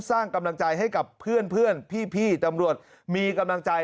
สร้างกำลังใจให้กับเพื่อนพี่ตำรวจมีกำลังใจ